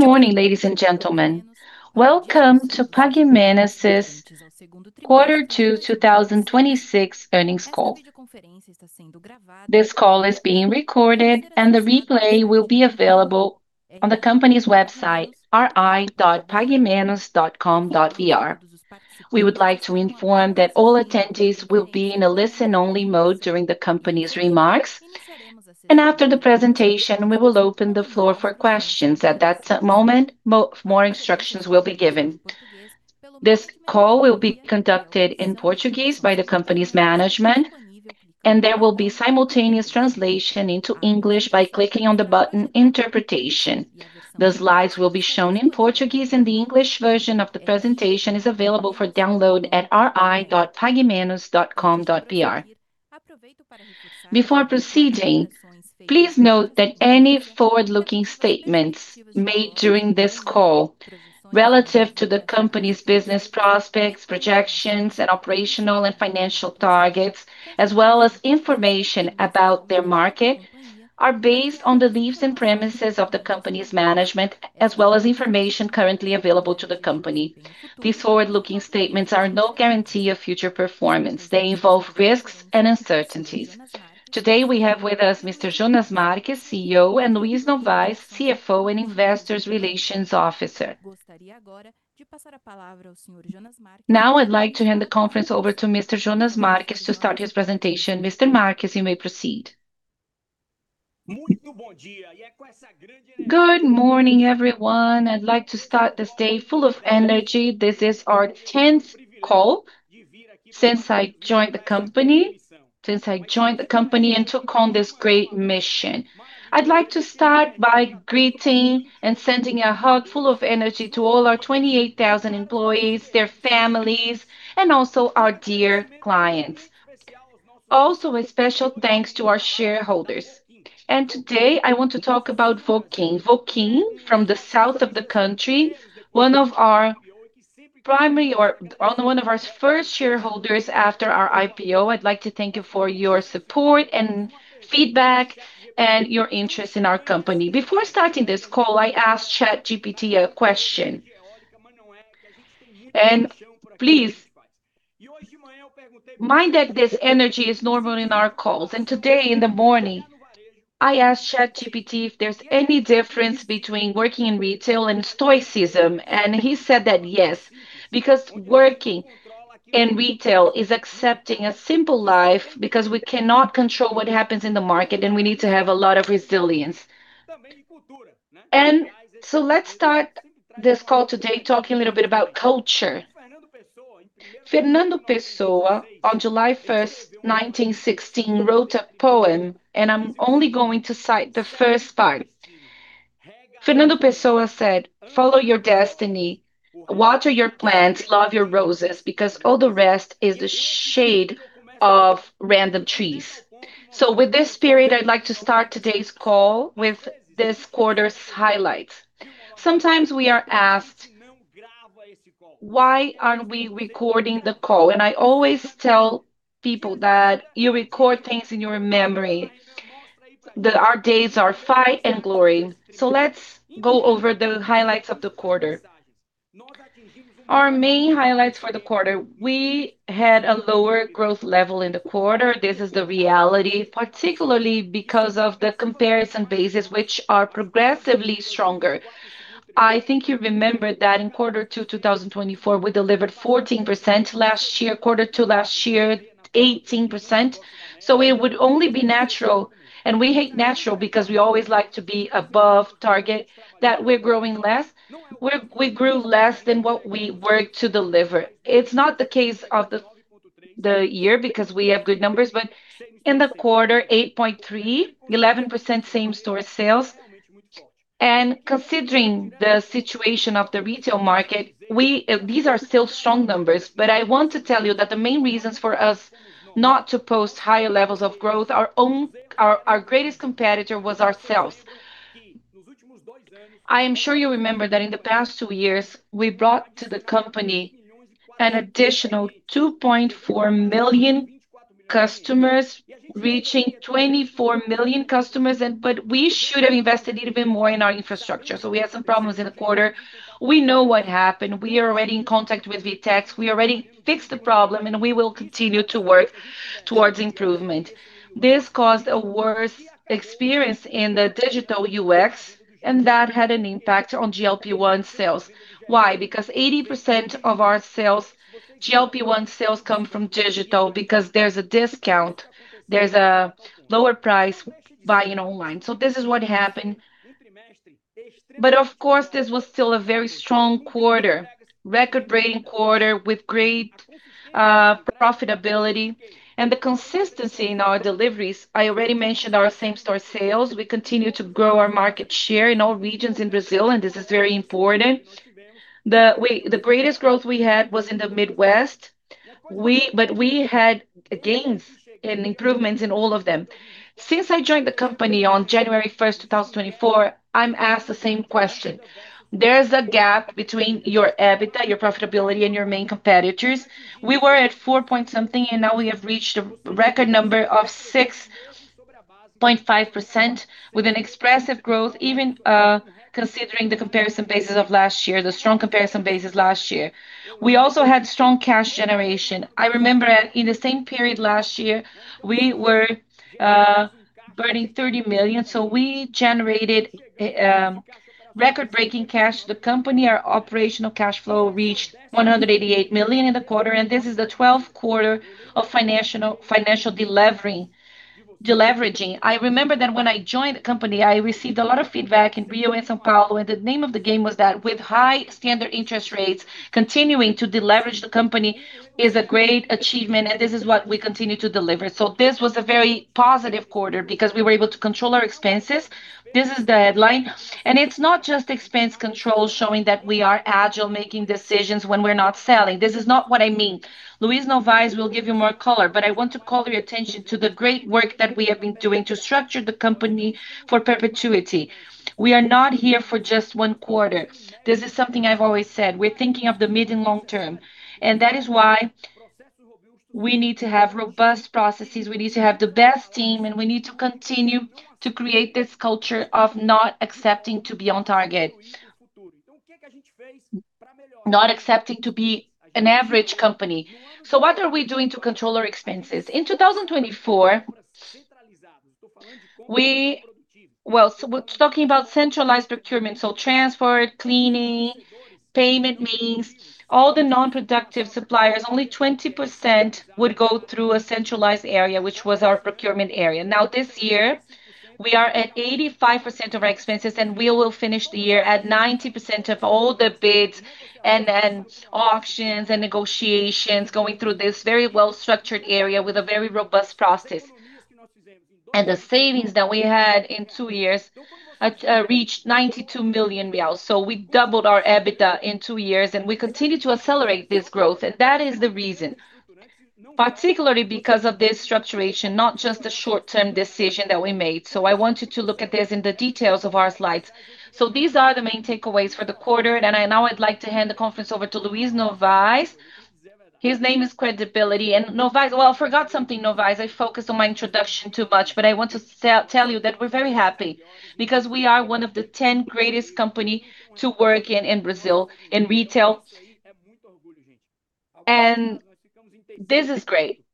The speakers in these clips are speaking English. Good morning, ladies and gentlemen. Welcome to 's Quarter two 2026 earnings call. This call is being recorded, and the replay will be available on the company's website, ri.paguemenos.com.br. We would like to inform that all attendees will be in a listen-only mode during the company's remarks. After the presentation, we will open the floor for questions. At that moment, more instructions will be given. This call will be conducted in Portuguese by the company's management, and there will be simultaneous translation into English by clicking on the button, Interpretation. The slides will be shown in Portuguese, and the English version of the presentation is available for download at ri.paguemenos.com.br. Before proceeding, please note that any forward-looking statements made during this call relative to the company's business prospects, projections, and operational and financial targets, as well as information about their market, are based on the beliefs and premises of the company's management, as well as information currently available to the company. These forward-looking statements are no guarantee of future performance. They involve risks and uncertainties. Today, we have with us Mr. Jonas Marques, CEO, and Luiz Novais, CFO and Investor Relations Officer. I'd like to hand the conference over to Mr. Jonas Marques to start his presentation. Mr. Marques, you may proceed. Good morning, everyone. I'd like to start this day full of energy. This is our 10th call since I joined the company and took on this great mission. I'd like to start by greeting and sending a hug full of energy to all our 28,000 employees, their families, and also our dear clients. Also, a special thanks to our shareholders. Today I want to talk about Vokin. Vokin from the south of the country, one of our first shareholders after our IPO. I'd like to thank you for your support and feedback and your interest in our company. Before starting this call, I asked ChatGPT a question. Please mind that this energy is normal in our calls. Today in the morning, I asked ChatGPT if there's any difference between working in retail and stoicism, and he said that yes, because working in retail is accepting a simple life because we cannot control what happens in the market, and we need to have a lot of resilience. Let's start this call today talking a little bit about culture. Fernando Pessoa, on July 1st, 1916, wrote a poem, and I'm only going to cite the first part. Fernando Pessoa said, "Follow your destiny, water your plants, love your roses, because all the rest is the shade of random trees." With this spirit, I'd like to start today's call with this quarter's highlights. Sometimes we are asked why aren't we recording the call, and I always tell people that you record things in your memory, that our days are fight and glory. Let's go over the highlights of the quarter. Our main highlights for the quarter, we had a lower growth level in the quarter. This is the reality, particularly because of the comparison bases, which are progressively stronger. I think you remember that in quarter two 2024, we delivered 14%, quarter two last year, 18%. It would only be natural, and we hate natural because we always like to be above target, that we're growing less. We grew less than what we worked to deliver. It's not the case of the year because we have good numbers, but in the quarter, 8.3%, 11% same-store sales. Considering the situation of the retail market, these are still strong numbers. I want to tell you that the main reasons for us not to post higher levels of growth, our greatest competitor was ourselves. I am sure you remember that in the past two years, we brought to the company an additional 2.4 million customers, reaching 24 million customers. We should have invested a little bit more in our infrastructure, we had some problems in the quarter. We know what happened. We are already in contact with VTEX. We already fixed the problem, we will continue to work towards improvement. This caused a worse experience in the digital UX, that had an impact on GLP-1 sales. Why? Because 80% of our GLP-1 sales come from digital because there's a discount. There's a lower price buying online. This is what happened. Of course, this was still a very strong quarter. Record-breaking quarter with great profitability, the consistency in our deliveries. I already mentioned our same-store sales. We continue to grow our market share in all regions in Brazil, this is very important. The greatest growth we had was in the Midwest. We had gains and improvements in all of them. Since I joined the company on January 1st, 2024, I'm asked the same question. There's a gap between your EBITDA, your profitability, your main competitors. We were at four-point-something, now we have reached a record number of 6.5% with an expressive growth, even considering the comparison basis of last year, the strong comparison basis last year. We also had strong cash generation. I remember in the same period last year, we were burning 30 million. We generated record-breaking cash. The company, our operational cash flow reached 188 million in the quarter, this is the 12th quarter of financial deleveraging. I remember that when I joined the company, I received a lot of feedback in [Rio Antofagasta], the name of the game was that with high standard interest rates, continuing to deleverage the company is a great achievement, this is what we continue to deliver. This was a very positive quarter because we were able to control our expenses. This is the headline, it's not just expense control showing that we are agile, making decisions when we're not selling. This is not what I mean. Luiz Novais will give you more color, I want to call your attention to the great work that we have been doing to structure the company for perpetuity. We are not here for just one quarter. This is something I've always said. We're thinking of the mid and long term, that is why we need to have robust processes. We need to have the best team, we need to continue to create this culture of not accepting to be on target. Not accepting to be an average company. What are we doing to control our expenses? In 2024, we-- Well, talking about centralized procurement, transport, cleaning, payment means all the non-productive suppliers, only 20% would go through a centralized area, which was our procurement area. This year, we are at 85% of our expenses, and we will finish the year at 90% of all the bids and auctions and negotiations going through this very well-structured area with a very robust process. The savings that we had in two years, reached 92 million reais. We doubled our EBITDA in two years, and we continue to accelerate this growth, and that is the reason. Particularly because of this structuration, not just the short-term decision that we made. I want you to look at this in the details of our slides. These are the main takeaways for the quarter, and I now I'd like to hand the conference over to Luiz Novais. His name is Credibility, Novais. I forgot something, Novais. I focused on my introduction too much, but I want to tell you that we're very happy because we are one of the 10 greatest company to work in Brazil in retail, and this is great.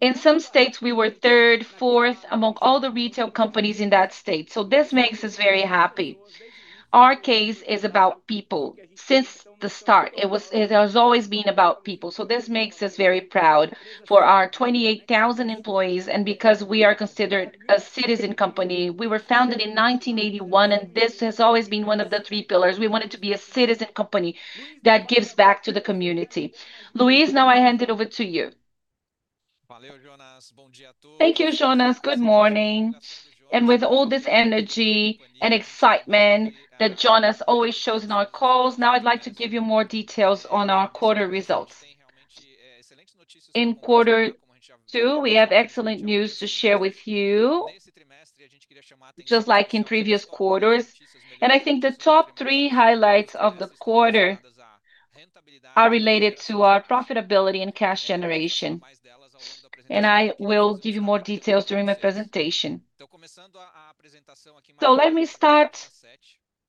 In some states, we were third, fourth among all the retail companies in that state. This makes us very happy. Our case is about people since the start. It has always been about people. This makes us very proud for our 28,000 employees, and because we are considered a citizen company. We were founded in 1981, and this has always been one of the three pillars. We wanted to be a citizen company that gives back to the community. Luiz, I hand it over to you. Thank you, Jonas. Good morning. With all this energy and excitement that Jonas always shows in our calls, I'd like to give you more details on our quarter results. In quarter two, we have excellent news to share with you, just like in previous quarters. I think the top three highlights of the quarter are related to our profitability and cash generation. I will give you more details during my presentation. Let me start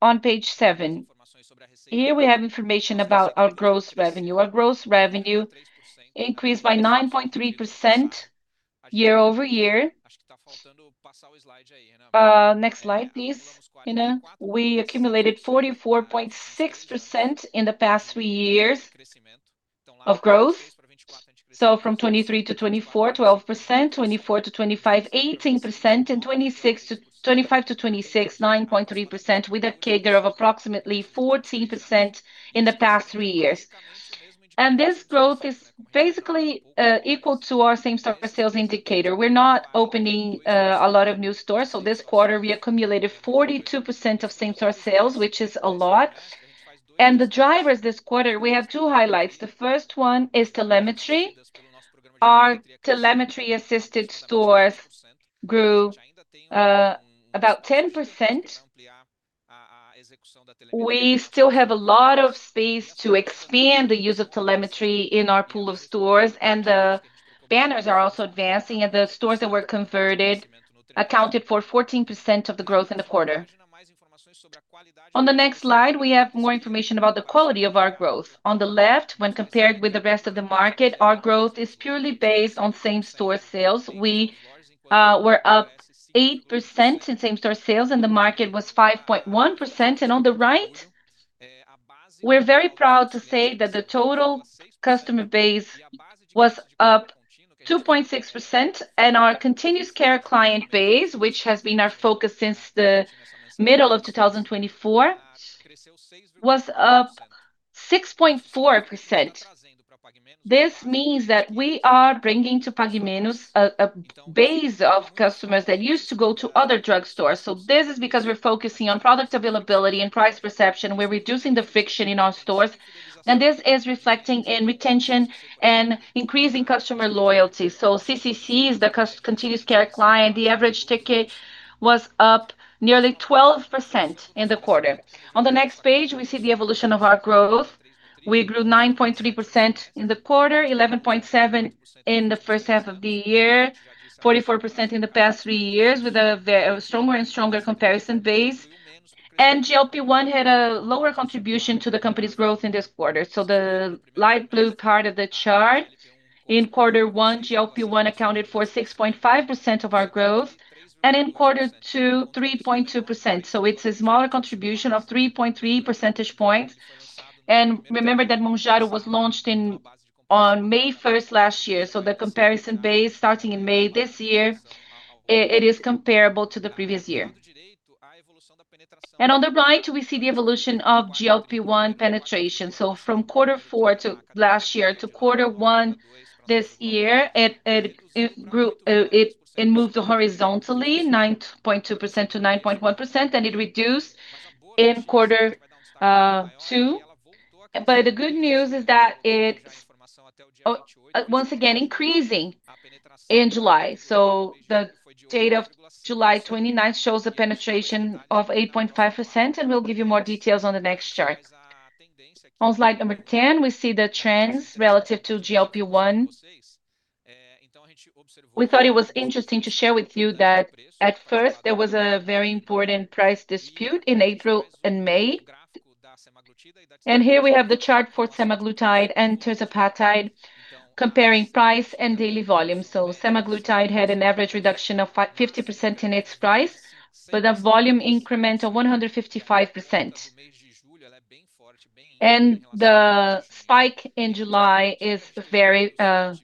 on page seven. Here we have information about our gross revenue. Our gross revenue increased by 9.3% year-over-year. Next slide, please, Anna. We accumulated 44.6% in the past three years of growth. From 2023 to 2024, 12%, 2024 to 2025, 18%, and 2025 to 2026, 9.3%, with a CAGR of approximately 14% in the past three years. This growth is basically equal to our same-store sales indicator. We're not opening a lot of new stores. This quarter, we accumulated 42% of same-store sales, which is a lot. The drivers this quarter, we have two highlights. The first one is telemetry. Our telemetry-assisted stores grew about 10%. We still have a lot of space to expand the use of telemetry in our pool of stores, and the banners are also advancing, and the stores that were converted accounted for 14% of the growth in the quarter. On the next slide, we have more information about the quality of our growth. On the left, when compared with the rest of the market, our growth is purely based on same-store sales. We were up 8% in same-store sales, and the market was 5.1%. On the right, we're very proud to say that the total customer base was up 2.6%, and our Continuous Care Client base, which has been our focus since the middle of 2024, was up 6.4%. This means that we are bringing to Pague Menos a base of customers that used to go to other drugstores. This is because we're focusing on product availability and price perception. We're reducing the friction in our stores, and this is reflecting in retention and increasing customer loyalty. CCC is the Continuous Care Client. The average ticket was up nearly 12% in the quarter. On the next page, we see the evolution of our growth. We grew 9.3% in the quarter, 11.7% in the first half of the year, 44% in the past three years with a stronger and stronger comparison base. GLP-1 had a lower contribution to the company's growth in this quarter. The light blue part of the chart. In quarter one, GLP-1 accounted for 6.5% of our growth, and in quarter two, 3.2%. It's a smaller contribution of 3.3 percentage points. Remember that Mounjaro was launched on May 1st last year, so the comparison base starting in May this year, it is comparable to the previous year. On the right, we see the evolution of GLP-1 penetration. From quarter four last year to quarter one this year, it moved horizontally 9.2% to 9.1%, and it reduced in quarter two. The good news is that it's once again increasing in July. The date of July 29th shows a penetration of 8.5%, and we'll give you more details on the next chart. On slide number 10, we see the trends relative to GLP-1. We thought it was interesting to share with you that at first there was a very important price dispute in April and May. Here we have the chart for semaglutide and tirzepatide, comparing price and daily volume. Semaglutide had an average reduction of 50% in its price, but a volume increment of 155%. The spike in July is very strong.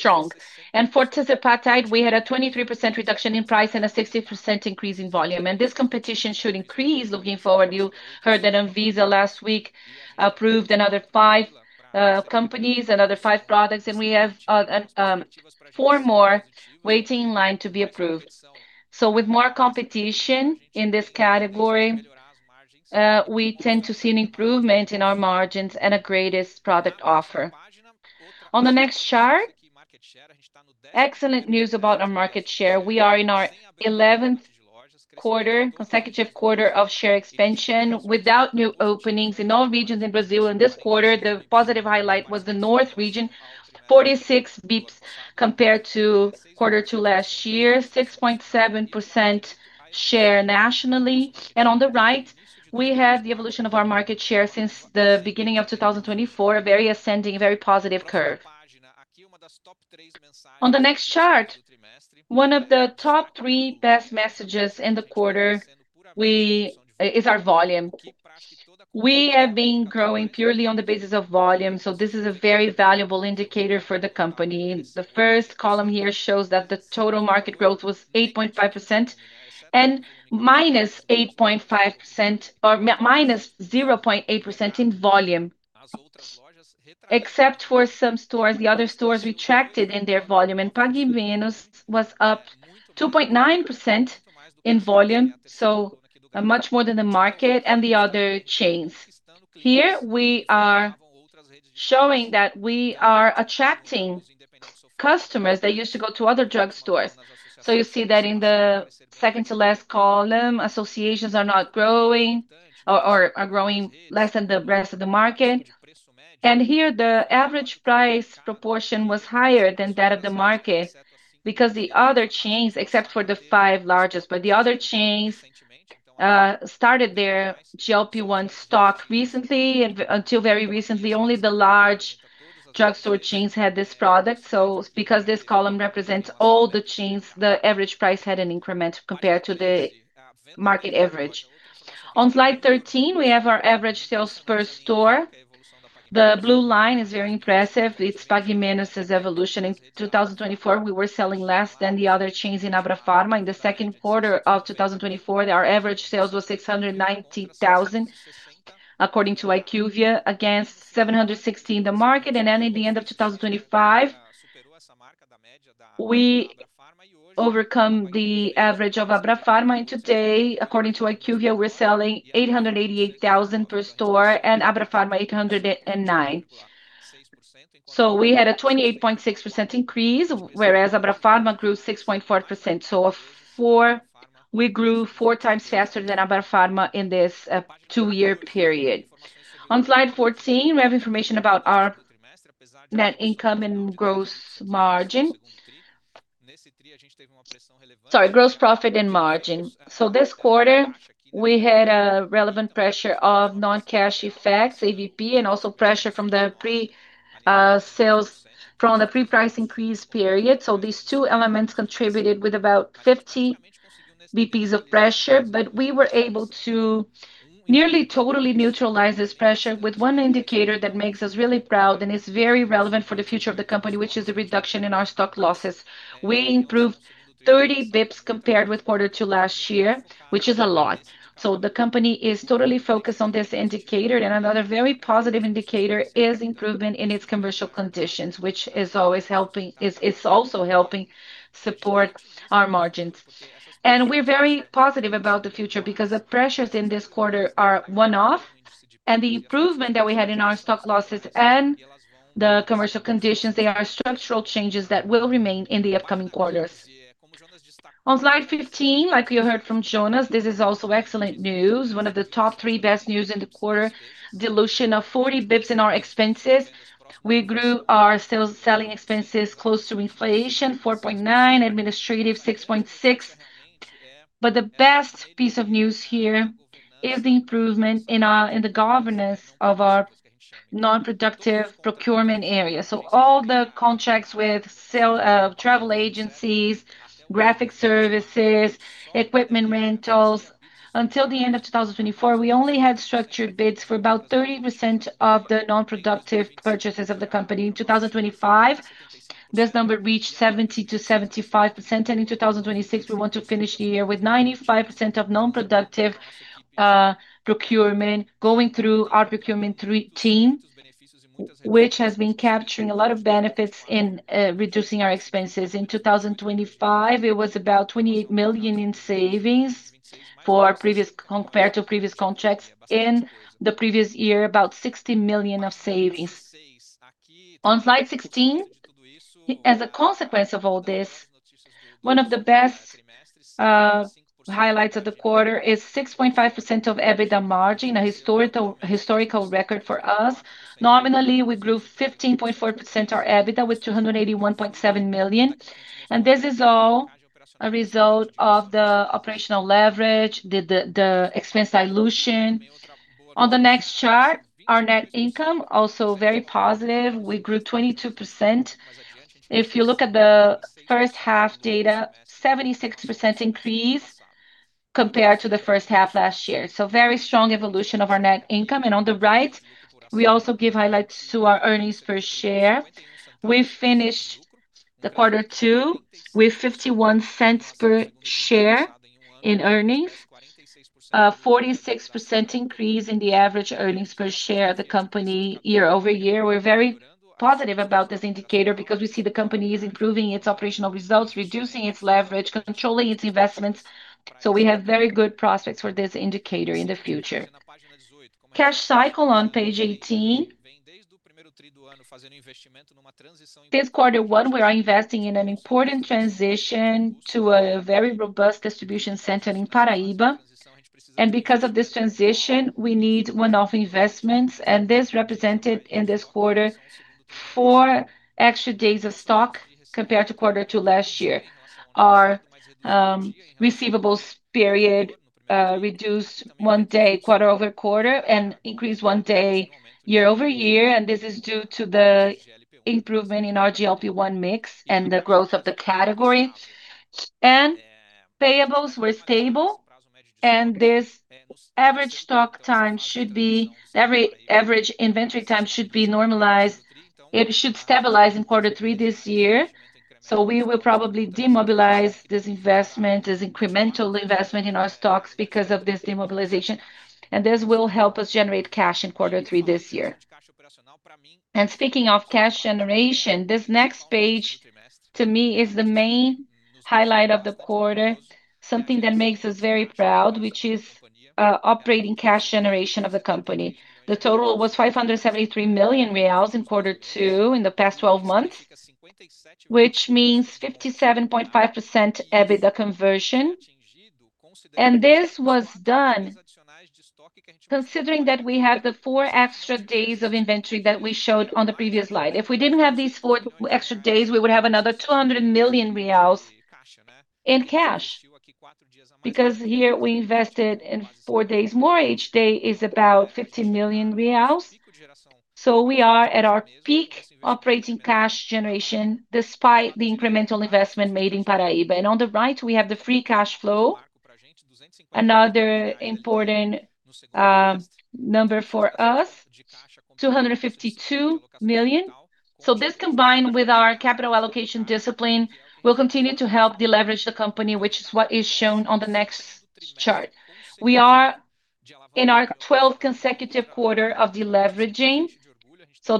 For tirzepatide, we had a 23% reduction in price and a 60% increase in volume. This competition should increase looking forward. You heard that Anvisa last week approved another five companies, another five products, and we have four more waiting in line to be approved. With more competition in this category, we tend to see an improvement in our margins and a greatest product offer. On the next chart, excellent news about our market share. We are in our 11th consecutive quarter of share expansion without new openings in all regions in Brazil. In this quarter, the positive highlight was the north region, 46 basis points compared to quarter two last year, 6.7% share nationally. On the right, we have the evolution of our market share since the beginning of 2024. A very ascending, very positive curve. On the next chart, one of the top three best messages in the quarter is our volume. We have been growing purely on the basis of volume, this is a very valuable indicator for the company. The first column here shows that the total market growth was [8.5% and -0.8%] in volume. Except for some stores, the other stores retracted in their volume. Pague Menos was up 2.9% in volume, much more than the market and the other chains. Here we are showing that we are attracting customers that used to go to other drugstores. You see that in the second to last column, associations are not growing or are growing less than the rest of the market. Here the average price proportion was higher than that of the market because the other chains, except for the five largest, but the other chains started their GLP-1 stock recently. Until very recently, only the large drugstore chains had this product. Because this column represents all the chains, the average price had an increment compared to the market average. On slide 13, we have our average sales per store. The blue line is very impressive. It is Pague Menos' evolution. In 2024, we were selling less than the other chains in Abrafarma. In the second quarter of 2024, our average sales were 690,000, according to IQVIA, against 760,000 in the market. At the end of 2025, we overcome the average of Abrafarma. Today, according to IQVIA, we are selling 888,000 per store and Abrafarma 809,000. We had a 28.6% increase, whereas Abrafarma grew 6.4%. We grew 4x faster than Abrafarma in this two-year period. On slide 14, we have information about our net income and gross margin. Sorry, gross profit and margin. This quarter, we had a relevant pressure of non-cash effects, AVP, and also pressure from the pre-price increase period. These two elements contributed with about 50 basis points of pressure. We were able to nearly totally neutralize this pressure with one indicator that makes us really proud and is very relevant for the future of the company, which is the reduction in our stock losses. We improved 30 basis points compared with quarter two last year, which is a lot. The company is totally focused on this indicator, another very positive indicator is improvement in its commercial conditions, which is also helping support our margins. We are very positive about the future because the pressures in this quarter are one-off. The improvement that we had in our stock losses and the commercial conditions, they are structural changes that will remain in the upcoming quarters. On slide 15, like you heard from Jonas, this is also excellent news. One of the top three best news in the quarter, dilution of 40 basis points in our expenses. We grew our sales selling expenses close to inflation, 4.9%, administrative 6.6%. The best piece of news here is the improvement in the governance of our non-productive procurement area. All the contracts with travel agencies, graphic services, equipment rentals. Until the end of 2024, we only had structured bids for about 30% of the non-productive purchases of the company. In 2025, this number reached 70%-75%. In 2026, we want to finish the year with 95% of non-productive procurement going through our procurement team, which has been capturing a lot of benefits in reducing our expenses. In 2025, it was about 28 million in savings compared to previous contracts. In the previous year, about 60 million of savings. On slide 16, as a consequence of all this, one of the best highlights of the quarter is 6.5% of EBITDA margin, a historical record for us. Nominally, we grew 15.4% our EBITDA with 281.7 million. This is all a result of the operational leverage, the expense dilution. On the next chart, our net income, also very positive. We grew 22%. If you look at the first half data, 76% increase compared to the first half last year. Very strong evolution of our net income. On the right, we also give highlights to our earnings per share. We finished the quarter two with 0.51 per share in earnings. 46% increase in the average earnings per share of the company year-over-year. We're very positive about this indicator because we see the company is improving its operational results, reducing its leverage, controlling its investments. We have very good prospects for this indicator in the future. Cash cycle on page 18. This quarter one, we are investing in an important transition to a very robust distribution center in Paraíba. Because of this transition, we need one-off investments, and this represented in this quarter, four extra days of stock compared to quarter to last year. Our receivables period reduced one day quarter-over-quarter and increased one day year-over-year. This is due to the improvement in our GLP-1 mix and the growth of the category. Payables were stable, and this average inventory time should be normalized. It should stabilize in quarter three this year. We will probably demobilize this investment, this incremental investment in our stocks because of this demobilization. This will help us generate cash in quarter three this year. Speaking of cash generation, this next page, to me, is the main highlight of the quarter, something that makes us very proud, which is operating cash generation of the company. The total was 573 million reais in quarter two in the past 12 months, which means 57.5% EBITDA conversion. This was done considering that we have the four extra days of inventory that we showed on the previous slide. If we didn't have these four extra days, we would have another 200 million reais in cash, because here we invested in four days more. Each day is about 50 million reais. We are at our peak operating cash generation despite the incremental investment made in Paraíba. On the right, we have the free cash flow. Another important number for us, 252 million. This, combined with our capital allocation discipline, will continue to help deleverage the company, which is what is shown on the next chart. We are in our 12th consecutive quarter of deleveraging.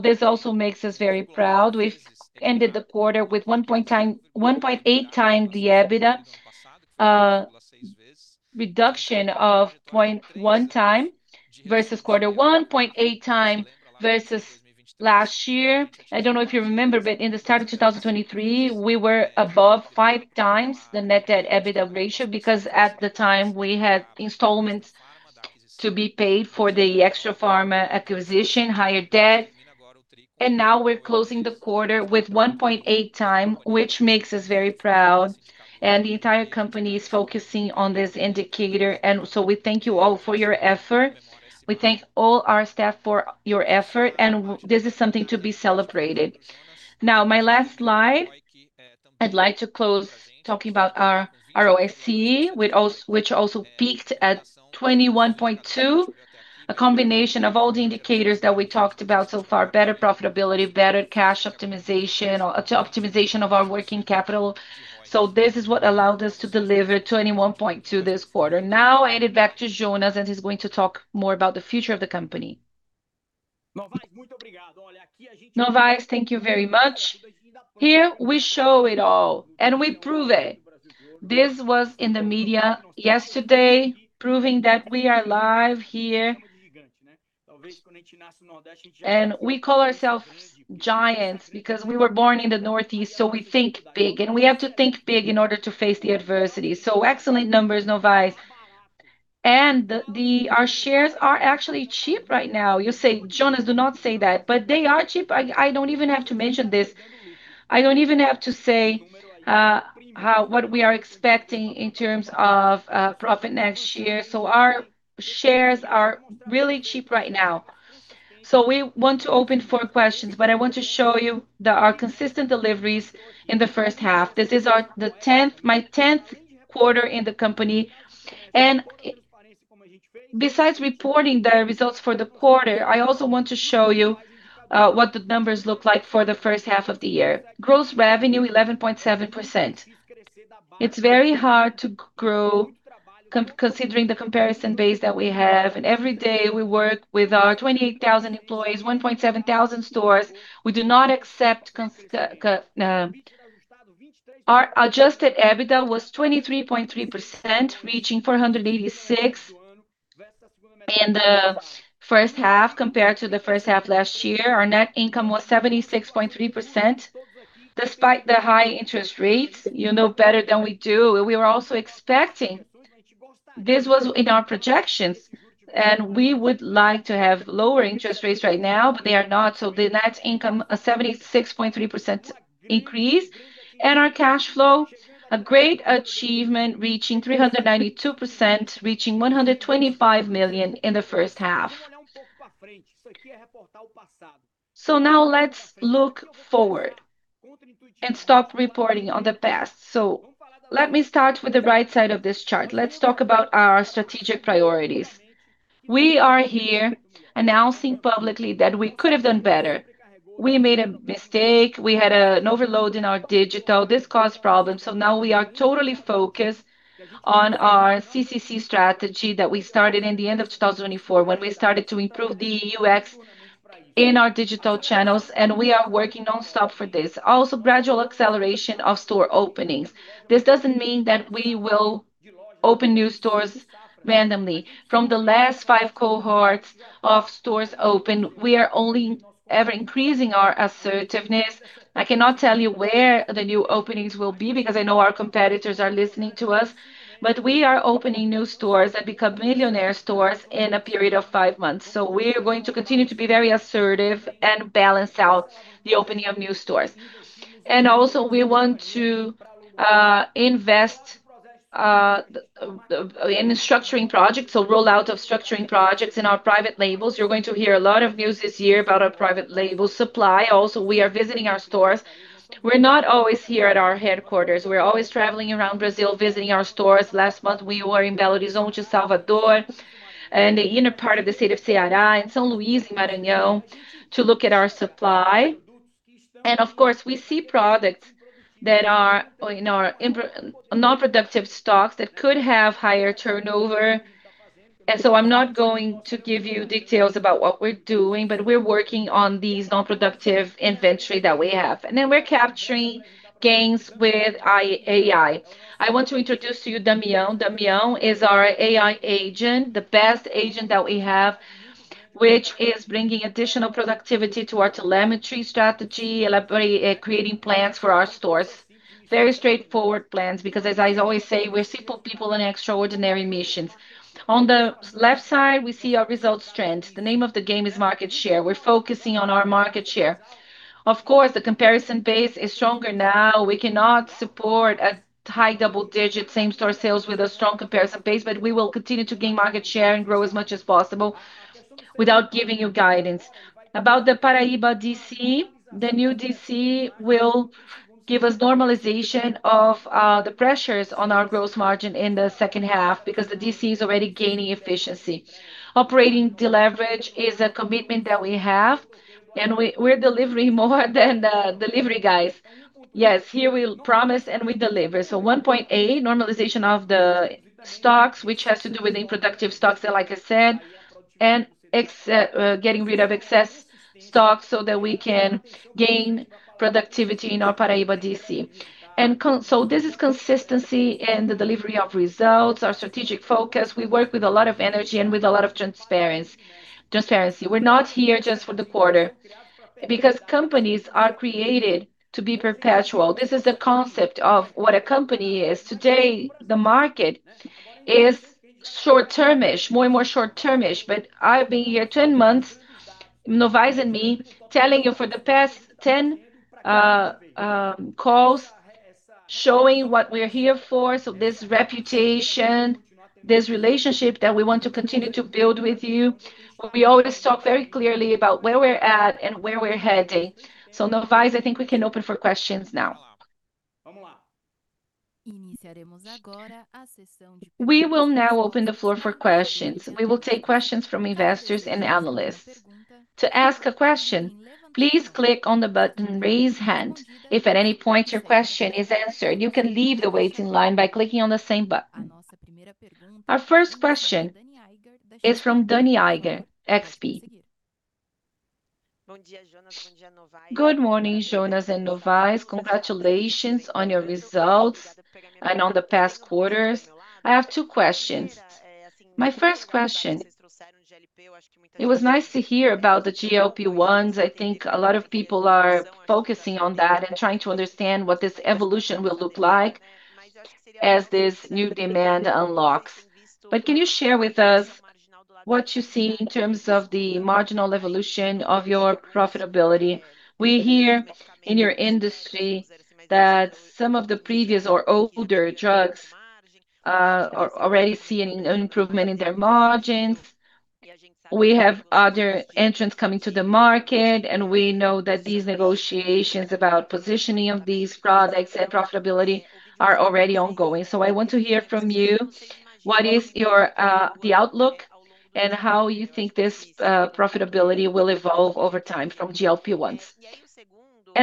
This also makes us very proud. We've ended the quarter with 1.8x the EBITDA. Reduction of 0.1x versus quarter one, 0.8x versus last year. I don't know if you remember, but in the start of 2023, we were above 5x the net debt EBITDA ratio because at the time, we had installments to be paid for the Extrafarma acquisition, higher debt. Now, we're closing the quarter with 1.8x, which makes us very proud. The entire company is focusing on this indicator. We thank you all for your effort. We thank all our staff for your effort, and this is something to be celebrated. My last slide, I'd like to close talking about our ROIC, which also peaked at 21.2%. A combination of all the indicators that we talked about so far, better profitability, better cash optimization of our working capital. This is what allowed us to deliver 21.2% this quarter. I hand it back to Jonas, and he's going to talk more about the future of the company. Novais, thank you very much. Here we show it all and we prove it. This was in the media yesterday proving that we are live here. We call ourselves giants because we were born in the Northeast, we think big, and we have to think big in order to face the adversity. Excellent numbers, Novais. Our shares are actually cheap right now. You'll say, "Jonas, do not say that," but they are cheap. I don't even have to mention this. I don't even have to say what we are expecting in terms of profit next year. Our shares are really cheap right now. We want to open for questions, but I want to show you that our consistent deliveries in the first half. This is my 10th quarter in the company, besides reporting the results for the quarter, I also want to show you what the numbers look like for the first half of the year. Gross revenue 11.7%. It's very hard to grow considering the comparison base that we have, every day we work with our 28,000 employees, 1,700 stores. Our Adjusted EBITDA was 23.3%, reaching 486 million in the first half compared to the first half last year. Our net income was 76.3%, despite the high interest rates, you know better than we do. We were also expecting. This was in our projections, we would like to have lower interest rates right now, they are not. The net income a 76.3% increase. Our cash flow, a great achievement, reaching 392%, reaching 125 million in the first half. Let's look forward and stop reporting on the past. Let me start with the right side of this chart. Let's talk about our strategic priorities. We are here announcing publicly that we could have done better. We made a mistake. We had an overload in our digital. This caused problems, we are totally focused on our CCC strategy that we started at the end of 2024, when we started to improve the UX in our digital channels, and we are working nonstop for this. Gradual acceleration of store openings. This doesn't mean that we will open new stores randomly. From the last five cohorts of stores open, we are only ever increasing our assertiveness. I cannot tell you where the new openings will be because I know our competitors are listening to us, but we are opening new stores that become millionaire stores in a period of five months. We are going to continue to be very assertive and balance out the opening of new stores. We want to invest in structuring projects or rollout of structuring projects in our private labels. You're going to hear a lot of news this year about our private label supply. We are visiting our stores. We're not always here at our headquarters. We're always traveling around Brazil, visiting our stores. Last month we were in Belo Horizonte, Salvador, and the inner part of the state of Ceará, in São Luís, Maranhão, to look at our supply. Of course, we see products that are in our non-productive stocks that could have higher turnover. I'm not going to give you details about what we're doing, but we're working on these non-productive inventory that we have. We're capturing gains with AI. I want to introduce to you Damião. Damião is our AI agent, the best agent that we have, which is bringing additional productivity to our telemetry strategy, creating plans for our stores. Very straightforward plans because as I always say, we're simple people on extraordinary missions. On the left side, we see our results trend. The name of the game is market share. We're focusing on our market share. Of course, the comparison base is stronger now. We cannot support a high double digit same store sales with a strong comparison base. We will continue to gain market share and grow as much as possible without giving you guidance. About the Paraiba DC, the new DC will give us normalization of the pressures on our gross margin in the second half because the DC is already gaining efficiency. Operating deleverage is a commitment that we have. We're delivering more than the delivery guys. Yes, here we promise and we deliver. 1.8, normalization of the stocks, which has to do with the unproductive stocks that, like I said, and getting rid of excess stock so that we can gain productivity in our Paraiba DC. This is consistency in the delivery of results, our strategic focus. We work with a lot of energy and with a lot of transparency. We're not here just for the quarter because companies are created to be perpetual. This is the concept of what a company is. Today, the market is short-termish, more and more short-termish. I've been here 10 months, Novais and me, telling you for the past 10 calls, showing what we're here for. This reputation, this relationship that we want to continue to build with you. We always talk very clearly about where we're at and where we're heading. Novais, I think we can open for questions now. We will now open the floor for questions. We will take questions from investors and analysts. To ask a question, please click on the button, Raise Hand. If at any point your question is answered, you can leave the waiting line by clicking on the same button. Our first question is from Danniela Eiger, XP. Good morning, Jonas and Novais. Congratulations on your results and on the past quarters. I have two questions. My first question, it was nice to hear about the GLP-1s. I think a lot of people are focusing on that, trying to understand what this evolution will look like as this new demand unlocks. Can you share with us what you see in terms of the marginal evolution of your profitability? We hear in your industry that some of the previous or older drugs are already seeing an improvement in their margins. We have other entrants coming to the market. We know that these negotiations about positioning of these products and profitability are already ongoing. I want to hear from you, what is the outlook and how you think this profitability will evolve over time from GLP-1s.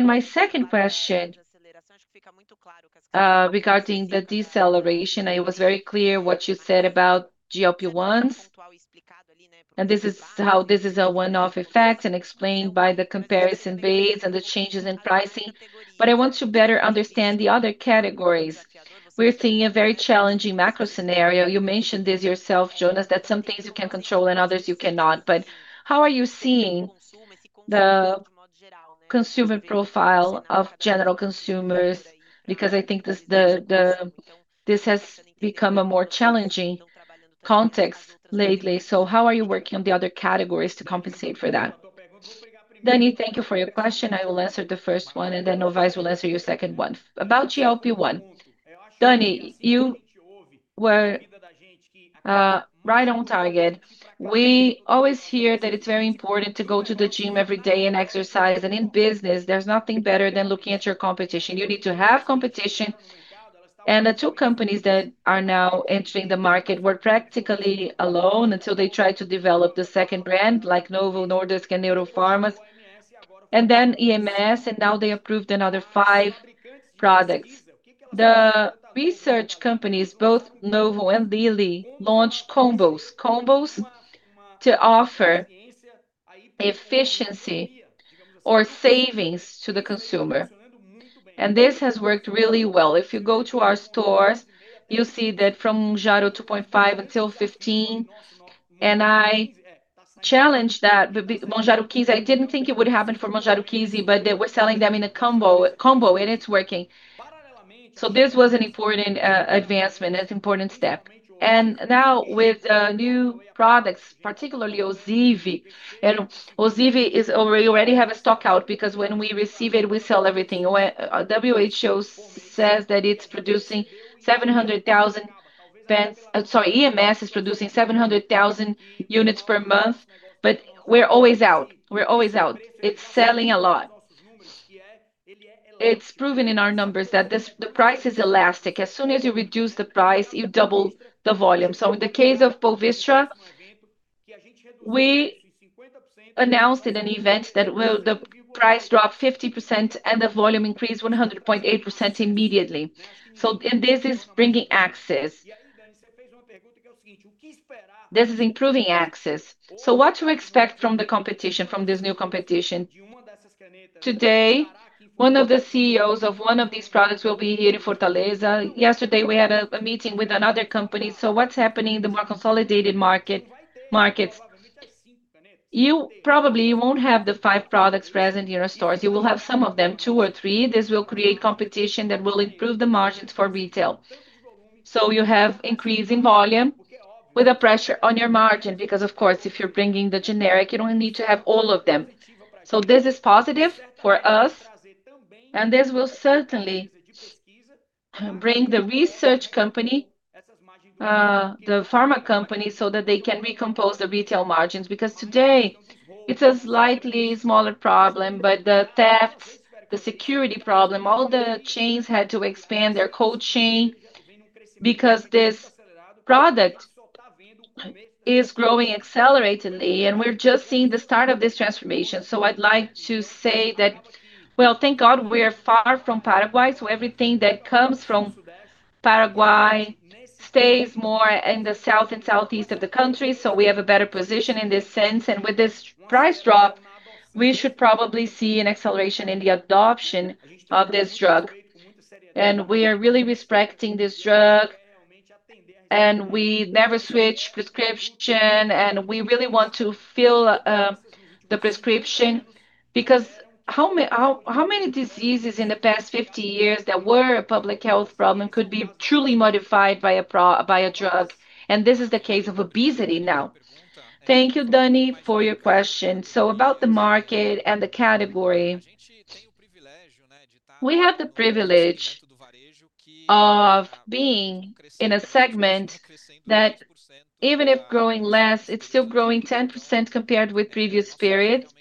My second question, regarding the deceleration, it was very clear what you said about GLP-1s. This is how this is a one-off effect and explained by the comparison base and the changes in pricing. I want to better understand the other categories. We're seeing a very challenging macro scenario. You mentioned this yourself, Jonas, that some things you can control and others you cannot. How are you seeing the consumer profile of general consumers? Because I think this has become a more challenging context lately. How are you working on the other categories to compensate for that? Dani, thank you for your question. I will answer the first one, and then Novais will answer your second one. About GLP-1, Dani, you were right on target. We always hear that it's very important to go to the gym every day and exercise. In business, there's nothing better than looking at your competition. You need to have competition. The two companies that are now entering the market were practically alone until they tried to develop the second brand, like Novo Nordisk and Eurofarma, then EMS, and now they approved another five products. The research companies, both Novo and Lilly, launched combos. Combos to offer efficiency or savings to the consumer. This has worked really well. If you go to our stores, you'll see that from Mounjaro 2.5 until 15, I challenged that with Mounjaro KwikPen. I didn't think it would happen for Mounjaro KwikPen, but they were selling them in a combo, and it's working. This was an important advancement, an important step. Now, with new products, particularly Ozempic. Ozempic already have a stock out because when we receive it, we sell everything. WHO says that it's producing 700,000 Sorry, EMS is producing 700,000 units per month, but we're always out. We're always out. It's selling a lot. It's proven in our numbers that the price is elastic. As soon as you reduce the price, you double the volume. In the case of Ozivy, we announced in an event that the price dropped 50% and the volume increased 100.8% immediately. This is bringing access. This is improving access. What to expect from the competition, from this new competition? Today, one of the CEOs of one of these products will be here in Fortaleza. Yesterday, we had a meeting with another company. What's happening in the more consolidated markets, you probably won't have the five products present in our stores. You will have some of them, two or three. This will create competition that will improve the margins for retail. You have increase in volume with a pressure on your margin, because of course, if you're bringing the generic, you don't need to have all of them. This is positive for us, and this will certainly bring the research company, the pharma company, so that they can recompose the retail margins. Because today it's a slightly smaller problem, but the theft, the security problem, all the chains had to expand their cold chain because this product is growing acceleratedly, and we're just seeing the start of this transformation. I'd like to say that, well, thank God we're far from Paraguay, everything that comes from Paraguay stays more in the south and southeast of the country, so we have a better position in this sense. With this price drop, we should probably see an acceleration in the adoption of this drug. We are really respecting this drug, we never switch prescription, we really want to fill the prescription, because how many diseases in the past 50 years that were a public health problem could be truly modified by a drug, and this is the case of obesity now. Thank you, Dani, for your question. About the market and the category, we have the privilege of being in a segment that even if growing less, it's still growing 10% compared with previous periods.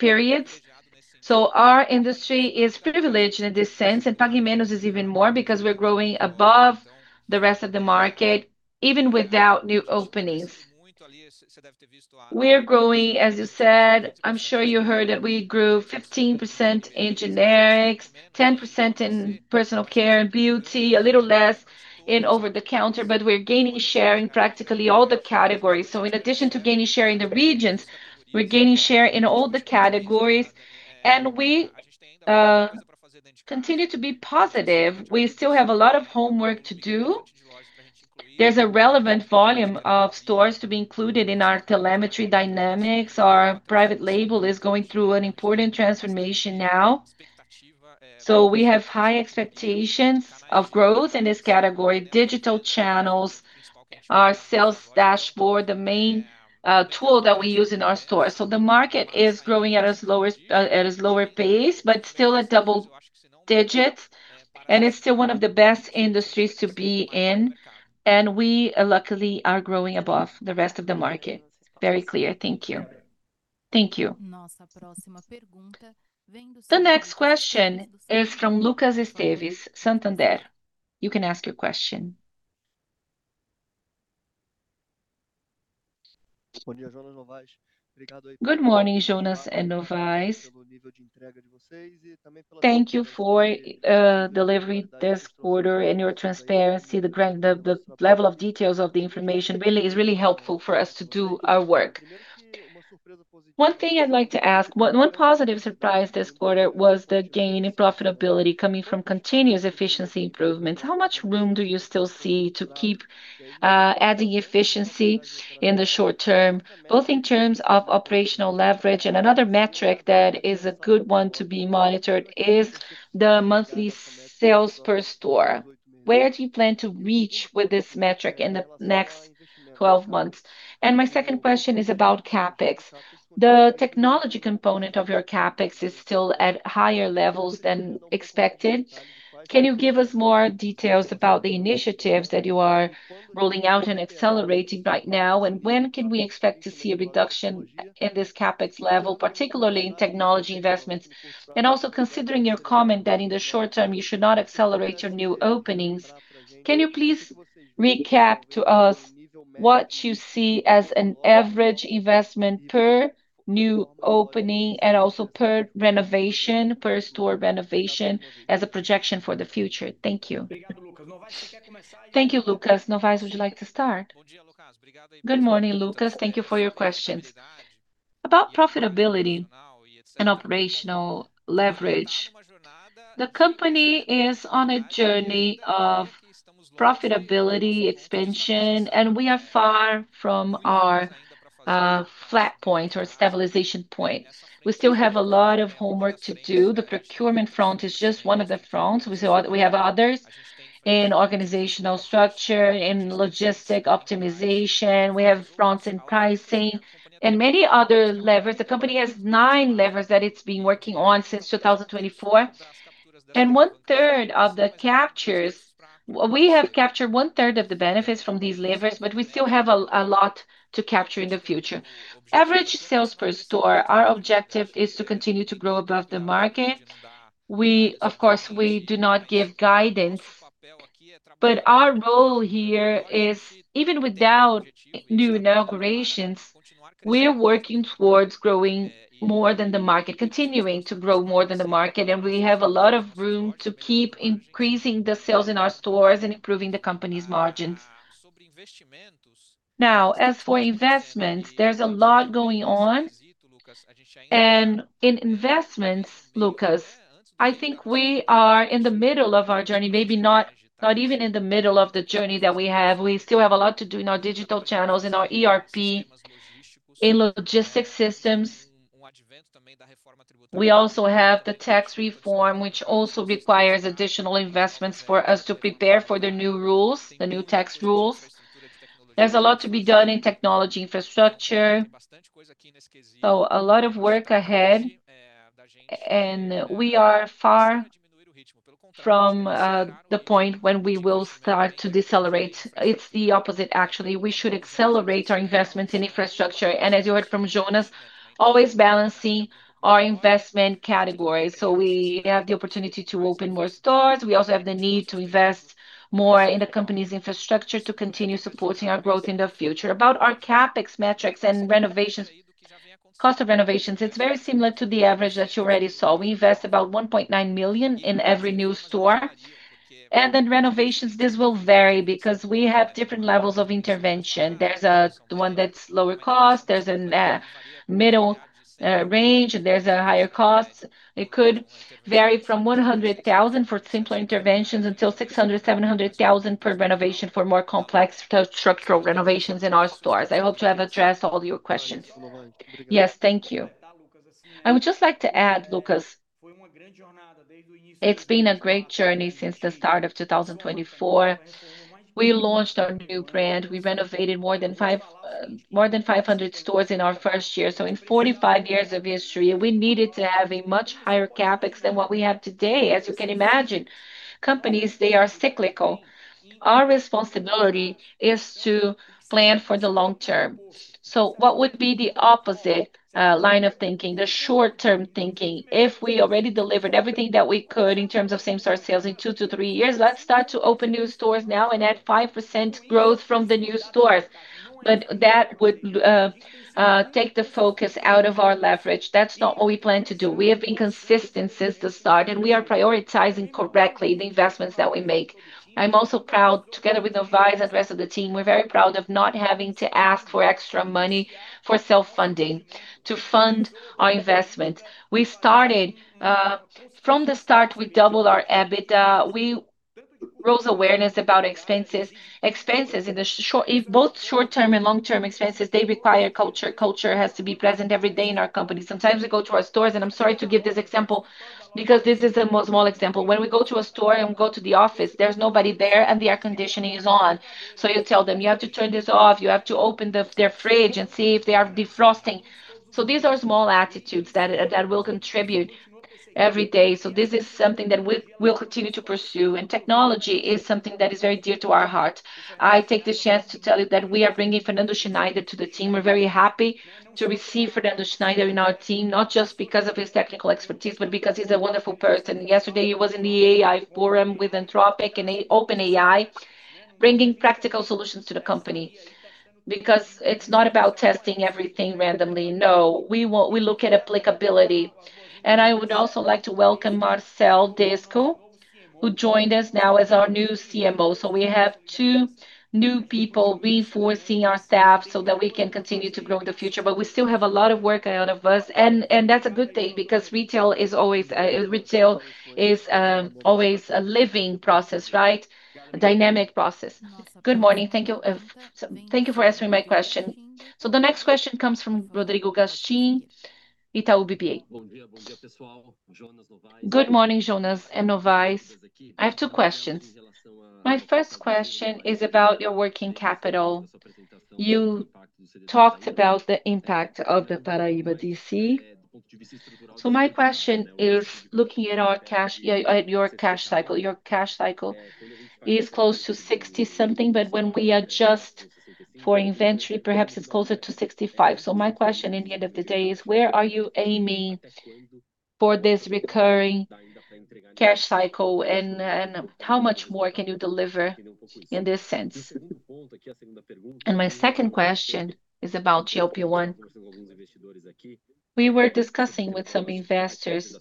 Our industry is privileged in this sense, and Pague Menos is even more because we're growing above the rest of the market, even without new openings. We are growing, as you said. I'm sure you heard that we grew 15% in generics, 10% in personal care and beauty, a little less in over-the-counter, we're gaining share in practically all the categories. In addition to gaining share in the regions, we're gaining share in all the categories, we continue to be positive. We still have a lot of homework to do. There's a relevant volume of stores to be included in our telemetry dynamics. Our private label is going through an important transformation now. We have high expectations of growth in this category. Digital channels, our sales dashboard, the main tool that we use in our store. The market is growing at a slower pace, but still a double-digit, it's still one of the best industries to be in, we luckily are growing above the rest of the market. Very clear. Thank you. Thank you. The next question is from Lucas Esteves, Santander. You can ask your question. Good morning, Jonas and Novais. Thank you for delivery this quarter and your transparency. The level of details of the information is really helpful for us to do our work. One thing I'd like to ask, one positive surprise this quarter was the gain in profitability coming from continuous efficiency improvements. How much room do you still see to keep adding efficiency in the short term, both in terms of operational leverage and another metric that is a good one to be monitored is the monthly sales per store. Where do you plan to reach with this metric in the next 12 months? My second question is about CapEx. The technology component of your CapEx is still at higher levels than expected. Can you give us more details about the initiatives that you are rolling out accelerating right now, when can we expect to see a reduction in this CapEx level, particularly in technology investments? Also considering your comment that in the short term, you should not accelerate your new openings, can you please recap to us what you see as an average investment per new opening and also per store renovation as a projection for the future? Thank you. Thank you, Lucas. Novais, would you like to start? Good morning, Lucas. Thank you for your questions. About profitability and operational leverage, the company is on a journey of profitability expansion, we are far from our flat point or stabilization point. We still have a lot of homework to do. The procurement front is just one of the fronts. We have others in organizational structure, in logistic optimization. We have fronts in pricing and many other levers. The company has nine levers that it's been working on since 2024, and we have captured one-third of the benefits from these levers, but we still have a lot to capture in the future. Average sales per store, our objective is to continue to grow above the market. Of course, we do not give guidance, but our role here is even without new inaugurations, we are working towards growing more than the market, continuing to grow more than the market, and we have a lot of room to keep increasing the sales in our stores and improving the company's margins. In investments, Lucas, I think we are in the middle of our journey, maybe not even in the middle of the journey that we have. We still have a lot to do in our digital channels, in our ERP, in logistics systems. We also have the tax reform, which also requires additional investments for us to prepare for the new rules, the new tax rules. There's a lot to be done in technology infrastructure. A lot of work ahead, and we are far from the point when we will start to decelerate. It's the opposite, actually. We should accelerate our investments in infrastructure, and as you heard from Jonas, always balancing our investment categories. We have the opportunity to open more stores. We also have the need to invest more in the company's infrastructure to continue supporting our growth in the future. About our CapEx metrics and cost of renovations, it's very similar to the average that you already saw. We invest about 1.9 million in every new store. Renovations, this will vary because we have different levels of intervention. There's one that's lower cost, there's a middle range, and there's a higher cost. It could vary from 100,000 for simpler interventions until 600,000, 700,000 per renovation for more complex structural renovations in our stores. I hope to have addressed all your questions. Yes. Thank you. I would just like to add, Lucas, it's been a great journey since the start of 2024. We launched our new brand. We renovated more than 500 stores in our first year. In 45 years of history, we needed to have a much higher CapEx than what we have today, as you can imagine. Companies, they are cyclical. Our responsibility is to plan for the long term. What would be the opposite line of thinking, the short-term thinking, if we already delivered everything that we could in terms of same store sales in two to three years, let's start to open new stores now and add 5% growth from the new stores. That would take the focus out of our leverage. That's not what we plan to do. We have been consistent since the start, and we are prioritizing correctly the investments that we make. I'm also proud, together with Novais and the rest of the team, we're very proud of not having to ask for extra money for self-funding to fund our investment. From the start, we doubled our EBITDA. We rose awareness about expenses. Both short-term and long-term expenses, they require culture. Culture has to be present every day in our company. Sometimes we go to our stores, and I'm sorry to give this example because this is a small example. When we go to a store and go to the office, there's nobody there and the air conditioning is on. You tell them, "You have to turn this off. You have to open their fridge and see if they are defrosting." These are small attitudes that will contribute every day. This is something that we'll continue to pursue, and technology is something that is very dear to our heart. I take the chance to tell you that we are bringing Fernando Schneider to the team. We're very happy to receive Fernando Schneider in our team, not just because of his technical expertise, but because he's a wonderful person. Yesterday, he was in the AI forum with Anthropic and OpenAI, bringing practical solutions to the company. It's not about testing everything randomly. No. We look at applicability. I would also like to welcome Marcel Desco, who joined us now as our new CMO. We have two new people reinforcing our staff so that we can continue to grow in the future, but we still have a lot of work ahead of us, and that's a good thing because retail is always a living process, right? A dynamic process. Good morning. Thank you for aswering my question. The next question comes from Rodrigo Gastim, Itaú BBA. Good morning, Jonas and Novais. I have two questions. My first question is about your working capital. You talked about the impact of the Paraíba DC. My question is looking at your cash cycle. Your cash cycle is close to 60-something, but when we adjust for inventory, perhaps it's closer to 65. My question in the end of the day is, where are you aiming for this recurring cash cycle and how much more can you deliver in this sense? My second question is about GLP-1. We were discussing with some investors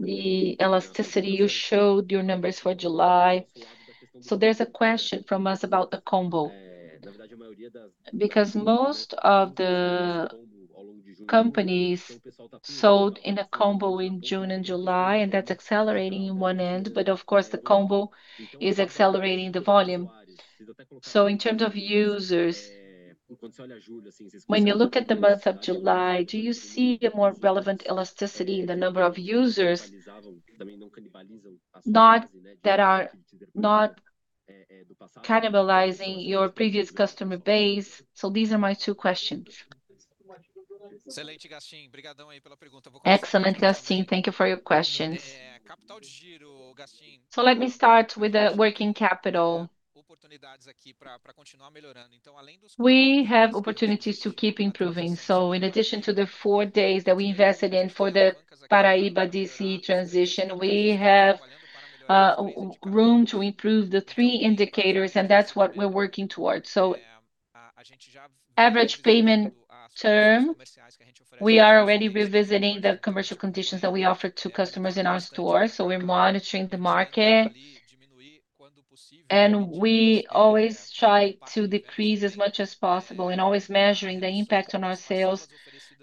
the elasticity you showed your numbers for July. There's a question from us about the combo. Because most of the companies sold in a combo in June and July, and that's accelerating in one end. But of course, the combo is accelerating the volume. In terms of users, when you look at the month of July, do you see a more relevant elasticity in the number of users that are not cannibalizing your previous customer base? These are my two questions. Excellent, Gastim. Thank you for your questions. Let me start with the working capital. We have opportunities to keep improving. In addition to the four days that we invested in for the Paraíba DC transition, we have room to improve the three indicators, and that's what we're working towards. Average payment term, we are already revisiting the commercial conditions that we offer to customers in our store. We're monitoring the market, and we always try to decrease as much as possible and always measuring the impact on our sales,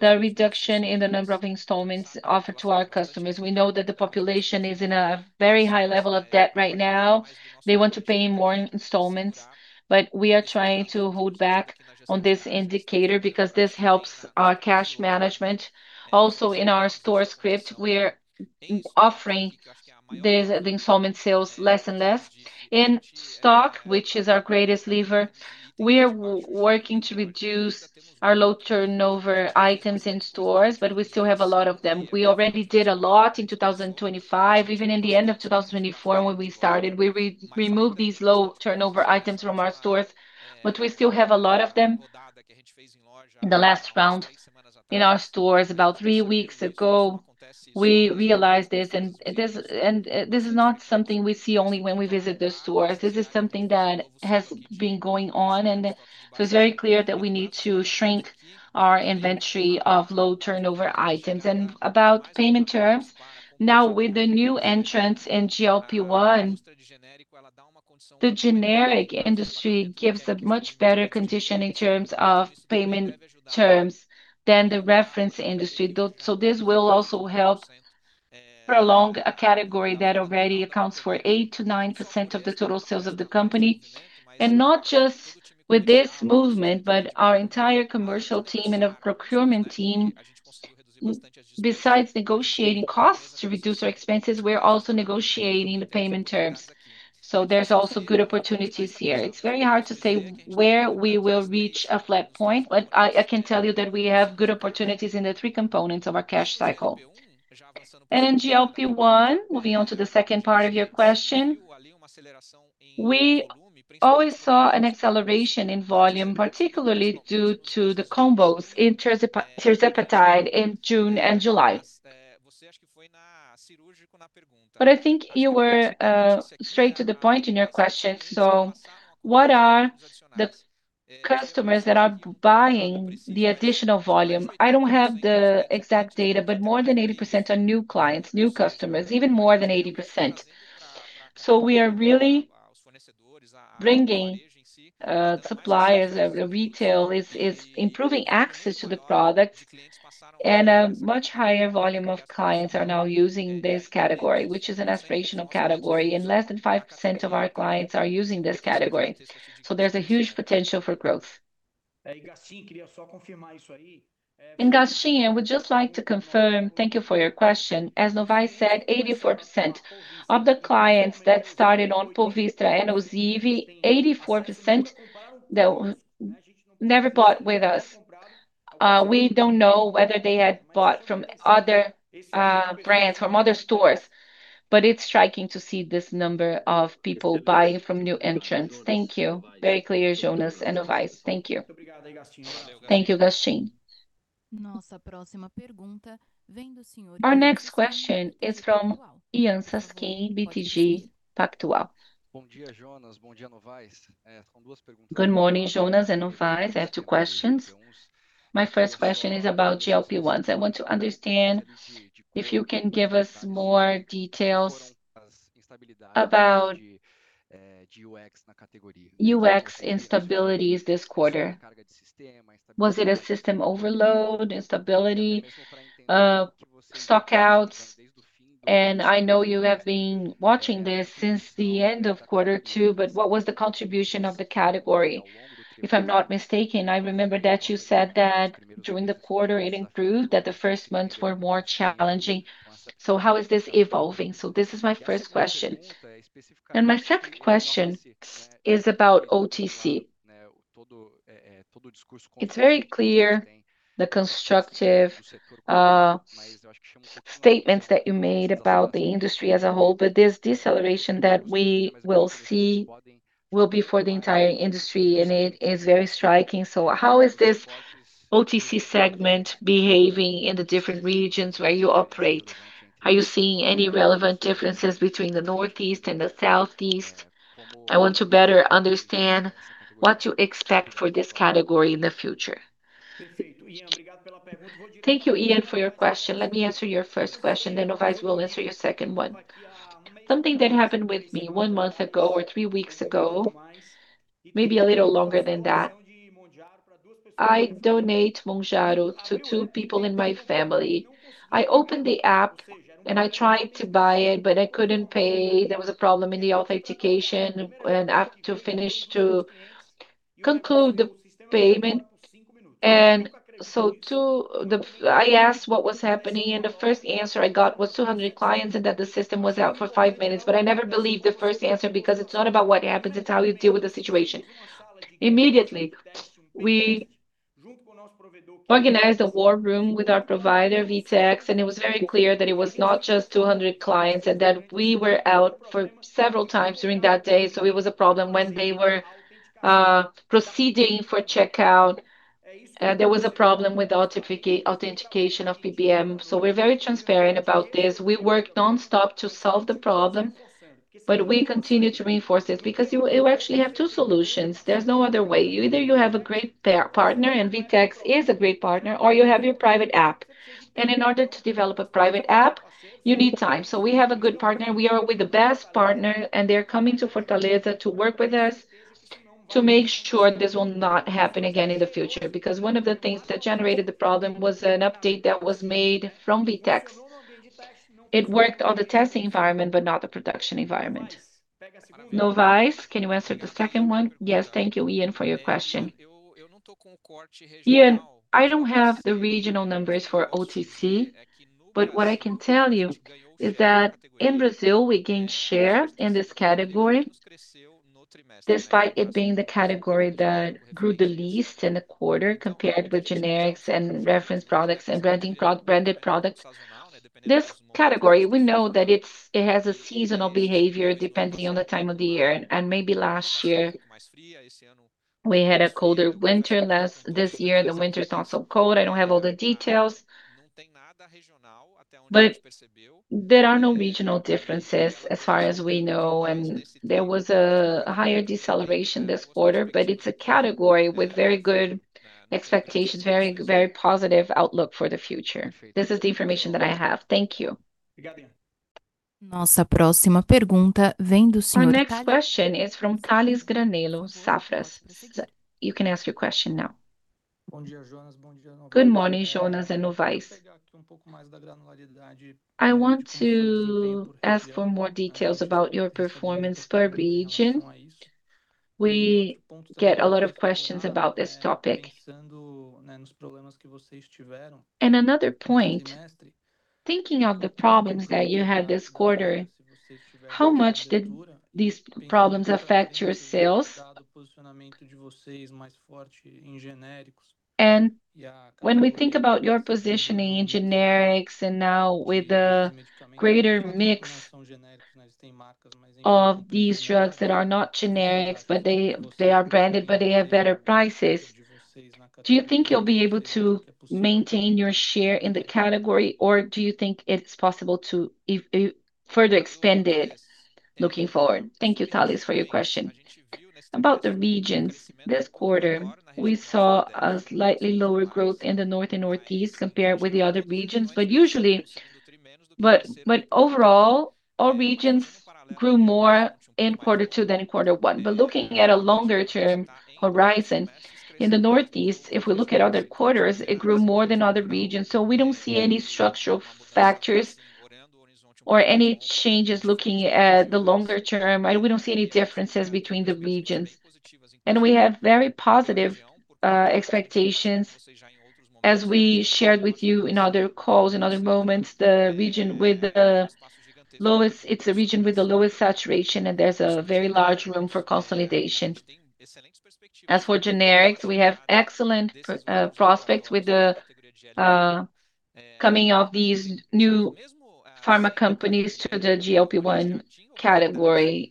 the reduction in the number of installments offered to our customers. We know that the population is in a very high level of debt right now. They want to pay in more installments, but we are trying to hold back on this indicator because this helps our cash management. Also in our store script, we're offering the installment sales less and less. In stock, which is our greatest lever, we are working to reduce our low turnover items in stores, but we still have a lot of them. We already did a lot in 2025. Even in the end of 2024 when we started, we removed these low turnover items from our stores, but we still have a lot of them. The last round in our stores about three weeks ago, we realized this, and this is not something we see only when we visit the stores. This is something that has been going on. It's very clear that we need to shrink our inventory of low turnover items. About payment terms, now with the new entrants in GLP-1, the generic industry gives a much better condition in terms of payment terms than the reference industry. This will also help prolong a category that already accounts for 8%-9% of the total sales of the company. Not just with this movement, but our entire commercial team and our procurement team, besides negotiating costs to reduce our expenses, we're also negotiating the payment terms. There's also good opportunities here. It's very hard to say where we will reach a flat point, but I can tell you that we have good opportunities in the three components of our cash cycle. In GLP-1, moving on to the second part of your question. We always saw an acceleration in volume, particularly due to the combos in tirzepatide in June and July. I think you were straight to the point in your question. What are the customers that are buying the additional volume? I don't have the exact data, more than 80% are new clients, new customers, even more than 80%. We are really bringing suppliers, the retail is improving access to the product, and a much higher volume of clients are now using this category, which is an aspirational category, and less than 5% of our clients are using this category. There's a huge potential for growth. Gastim, I would just like to confirm, thank you for your question. As Novais said, 84% of the clients that started on Pouvistra and Ozivy, 84% that never bought with us. We don't know whether they had bought from other brands, from other stores, but it's striking to see this number of people buying from new entrants. Thank you. Very clear, Jonas and Novais. Thank you. Thank you, Gastim. Our next question is from Yan Cesquim, BTG Pactual. Good morning, Jonas and Novais. I have two questions. My first question is about GLP-1. I want to understand if you can give us more details about UX instabilities this quarter. Was it a system overload, instability, stockouts? I know you have been watching this since the end of quarter two, but what was the contribution of the category? If I'm not mistaken, I remember that you said that during the quarter it improved, that the first months were more challenging. How is this evolving? This is my first question. My second question is about OTC. It's very clear the constructive statements that you made about the industry as a whole, but this deceleration that we will see will be for the entire industry, and it is very striking. How is this OTC segment behaving in the different regions where you operate? Are you seeing any relevant differences between the Northeast and the Southeast? I want to better understand what you expect for this category in the future. Thank you, Yan, for your question. Let me answer your first question. Novais will answer your second one. Something that happened with me one month ago or three weeks ago, maybe a little longer than that. I donate Mounjaro to two people in my family. I opened the app and I tried to buy it, but I couldn't pay. There was a problem in the authentication and I have to finish to conclude the payment. I asked what was happening, and the first answer I got was 200 clients and that the system was out for five minutes. I never believed the first answer because it's not about what happens, it's how you deal with the situation. Immediately, we organized a war room with our provider, VTEX. It was very clear that it was not just 200 clients and that we were out for several times during that day. It was a problem when they were proceeding for checkout. There was a problem with authentication of PBM. We're very transparent about this. We worked nonstop to solve the problem, but we continue to reinforce it because you actually have two solutions. There's no other way. Either you have a great partner, and VTEX is a great partner, or you have your private app. In order to develop a private app, you need time. We have a good partner. We are with the best partner, and they're coming to Fortaleza to work with us to make sure this will not happen again in the future. One of the things that generated the problem was an update that was made from VTEX. It worked on the testing environment, but not the production environment. Novais, can you answer the second one? Yes. Thank you, Yan, for your question. Yan, I don't have the regional numbers for OTC, but what I can tell you is that in Brazil, we gained share in this category, despite it being the category that grew the least in the quarter compared with generics and reference products and branded products. This category, we know that it has a seasonal behavior depending on the time of the year. Maybe last year, we had a colder winter. This year, the winter's not so cold. I don't have all the details. There are no regional differences as far as we know, there was a higher deceleration this quarter, it's a category with very good expectations, very positive outlook for the future. This is the information that I have. Thank you. Our next question is from Tales Granello, Safra. You can ask your question now. Good morning, Jonas and Novais. I want to ask for more details about your performance per region. We get a lot of questions about this topic. Another point, thinking of the problems that you had this quarter, how much did these problems affect your sales? When we think about your positioning in generics and now with a greater mix of these drugs that are not generics, but they are branded, but they have better prices. Do you think you'll be able to maintain your share in the category, or do you think it's possible to further expand it looking forward? Thank you, Tales, for your question. About the regions, this quarter, we saw a slightly lower growth in the north and northeast compared with the other regions. Overall, all regions grew more in quarter two than in quarter one. Looking at a longer term horizon, in the northeast, if we look at other quarters, it grew more than other regions. We don't see any structural factors or any changes looking at the longer term, we don't see any differences between the regions. We have very positive expectations as we shared with you in other calls, in other moments. It's a region with the lowest saturation, there's a very large room for consolidation. As for generics, we have excellent prospects with the coming of these new pharma companies to the GLP-1 category.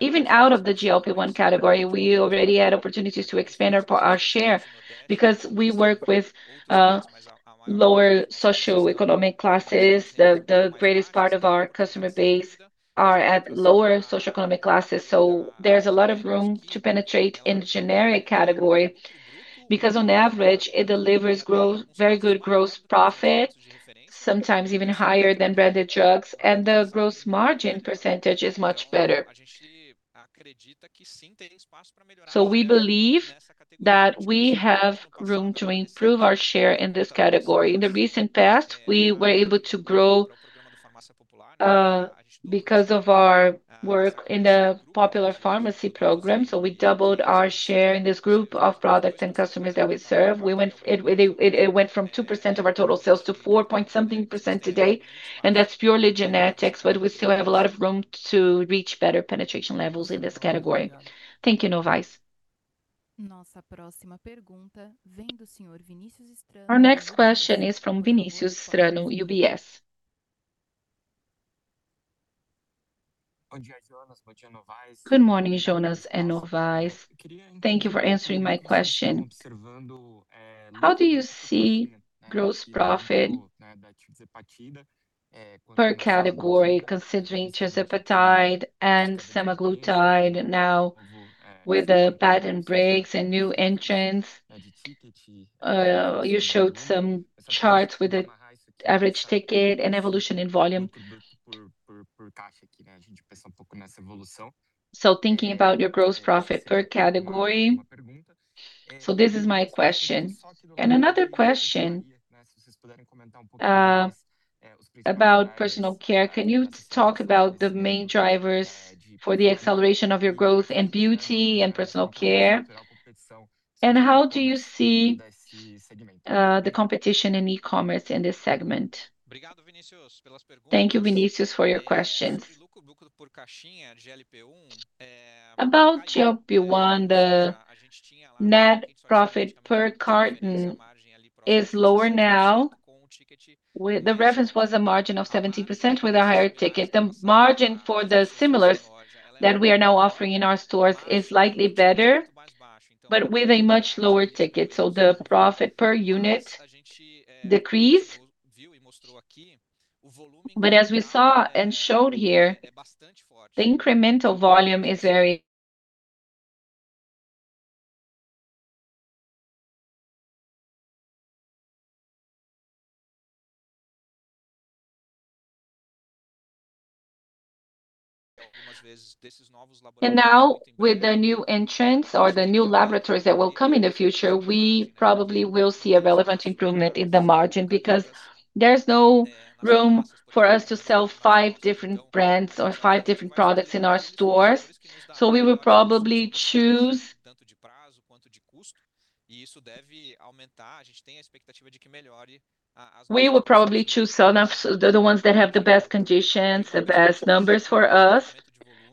Even out of the GLP-1 category, we already had opportunities to expand our share because we work with lower socioeconomic classes. The greatest part of our customer base are at lower socioeconomic classes. There's a lot of room to penetrate in the generic category. Because on average, it delivers very good gross profit, sometimes even higher than branded drugs, and the gross margin percentage is much better. We believe that we have room to improve our share in this category. In the recent past, we were able to grow because of our work in the popular pharmacy program. We doubled our share in this group of products and customers that we serve. It went from 2% of our total sales to four point something percent today, and that's purely generics, but we still have a lot of room to reach better penetration levels in this category. Thank you, Novais. Our next question is from Vinícius Strano, UBS. Good morning, Jonas and Novais. Thank you for answering my question. How do you see gross profit per category considering tirzepatide and semaglutide now with the patent breaks and new entrants? You showed some charts with the average ticket and evolution in volume. Thinking about your gross profit per category, this is my question. Another question about personal care, can you talk about the main drivers for the acceleration of your growth in beauty and personal care? How do you see the competition in e-commerce in this segment? Thank you, Vinícius, for your questions. About GLP-1, the net profit per carton is lower now. The reference was a margin of 17% with a higher ticket. The margin for the similars that we are now offering in our stores is slightly better, but with a much lower ticket. The profit per unit decreased. As we saw and showed here, with the new entrants or the new laboratories that will come in the future, we probably will see a relevant improvement in the margin because there's no room for us to sell five different brands or five different products in our stores. We will probably choose the ones that have the best conditions, the best numbers for us,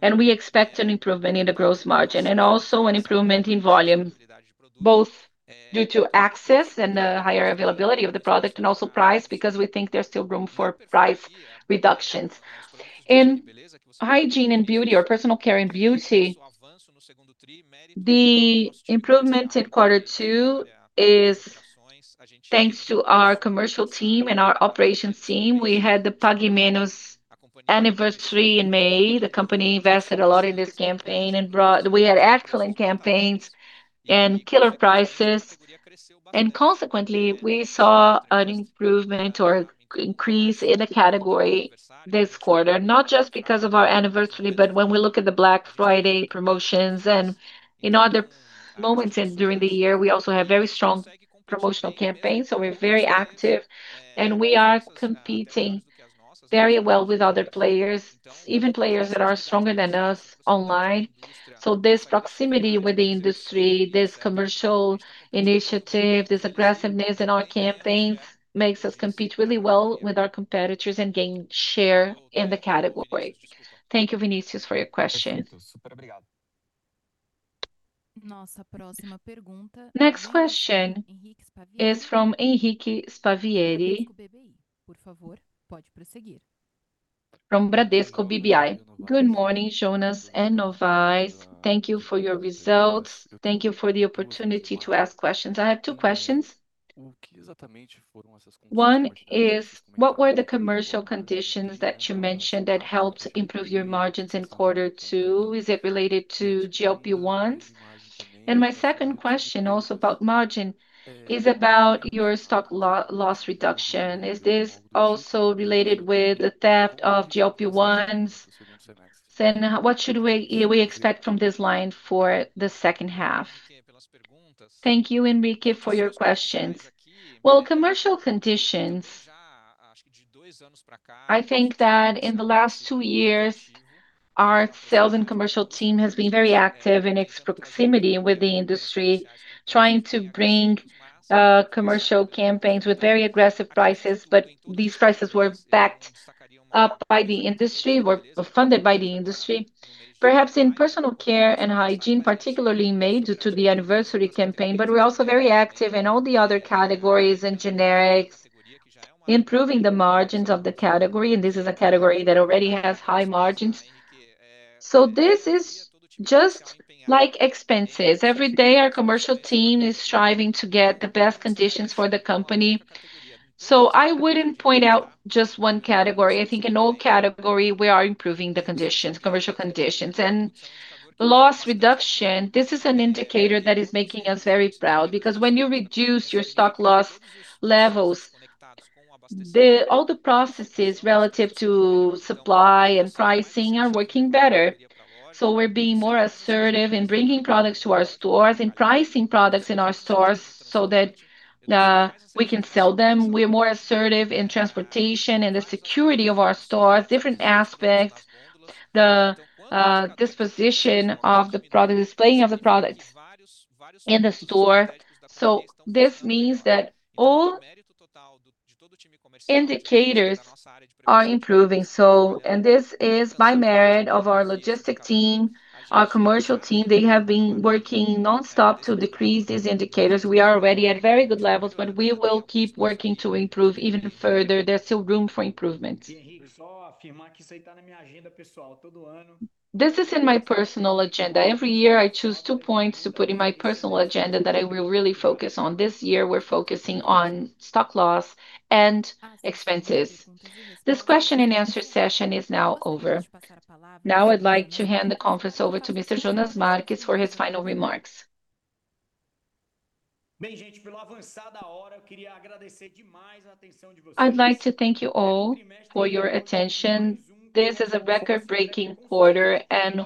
and we expect an improvement in the gross margin. Also an improvement in volume, both due to access and the higher availability of the product, and also price, because we think there's still room for price reductions. In hygiene and beauty or personal care and beauty, the improvement in Q2 is thanks to our commercial team and our operations team. We had the Pague Menos anniversary in May. The company invested a lot in this campaign and we had excellent campaigns and killer prices. Consequently, we saw an improvement or increase in the category this quarter, not just because of our anniversary, but when we look at the Black Friday promotions and in other moments during the year, we also have very strong promotional campaigns. We're very active and we are competing very well with other players, even players that are stronger than us online. This proximity with the industry, this commercial initiative, this aggressiveness in our campaigns makes us compete really well with our competitors and gain share in the category. Thank you, Vinícius, for your question. Next question is from Henrique Spavieri. From Bradesco BBI. Good morning, Jonas and Novais. Thank you for your results. Thank you for the opportunity to ask questions. I have two questions. What were the commercial conditions that you mentioned that helped improve your margins in quarter two? Is it related to GLP-1s? My second question, also about margin, is about your stock loss reduction. Is this also related with the theft of GLP-1s? What should we expect from this line for the second half? Thank you, Henrique, for your questions. Commercial conditions, I think that in the last two years, our sales and commercial team has been very active in its proximity with the industry, trying to bring commercial campaigns with very aggressive prices. These prices were backed up by the industry, were funded by the industry. Perhaps in personal care and hygiene, particularly in May, due to the Anniversary campaign. We're also very active in all the other categories and generics, improving the margins of the category, and this is a category that already has high margins. This is just like expenses. Every day, our commercial team is striving to get the best conditions for the company. I wouldn't point out just one category. I think in all categories, we are improving the conditions, commercial conditions. Loss reduction, this is an indicator that is making us very proud, because when you reduce your stock loss levels, all the processes relative to supply and pricing are working better. We're being more assertive in bringing products to our stores and pricing products in our stores so that we can sell them. We're more assertive in transportation and the security of our stores, different aspects, the disposition of the product, displaying of the products in the store. This means that all indicators are improving. This is by merit of our logistic team, our commercial team. They have been working non-stop to decrease these indicators. We are already at very good levels, but we will keep working to improve even further. There's still room for improvement. This is in my personal agenda. Every year, I choose two points to put in my personal agenda that I will really focus on. This year, we're focusing on stock loss and expenses. This question and answer session is now over. Now I'd like to hand the conference over to Mr. Jonas Marques for his final remarks. I'd like to thank you all for your attention. This is a record-breaking quarter, and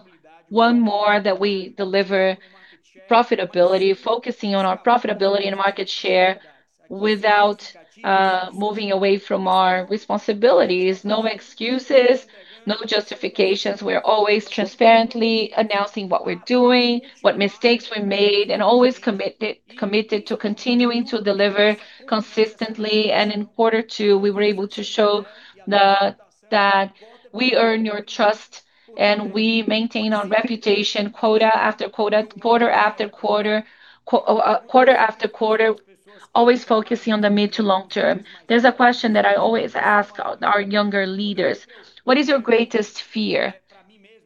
one more that we deliver profitability, focusing on our profitability and market share without moving away from our responsibilities. No excuses, no justifications. We're always transparently announcing what we're doing, what mistakes we made, and always committed to continuing to deliver consistently. In quarter two, we were able to show that we earn your trust and we maintain our reputation quarter after quarter, always focusing on the mid to long term. There's a question that I always ask our younger leaders: "What is your greatest fear?"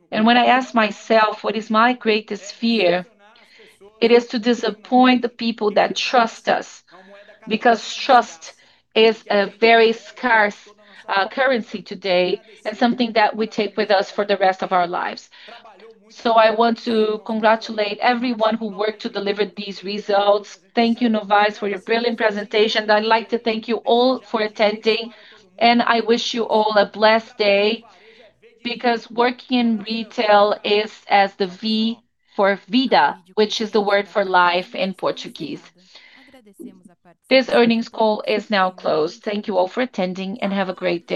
When I ask myself, what is my greatest fear? It is to disappoint the people that trust us, because trust is a very scarce currency today and something that we take with us for the rest of our lives. I want to congratulate everyone who worked to deliver these results. Thank you, Novais, for your brilliant presentation. I'd like to thank you all for attending, and I wish you all a blessed day, because working in retail is as the V for Vida, which is the word for life in Portuguese. This earnings call is now closed. Thank you all for attending, and have a great day.